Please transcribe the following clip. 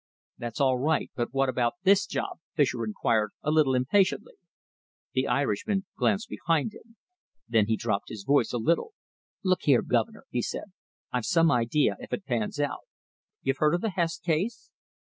"That's all right, but what about this job?" Fischer inquired, a little impatiently. The Irishman glanced behind him. Then he dropped his voice a little. "Look here, guv'nor," he said, "I've some idea, if it pans out. You've heard of the Heste case?"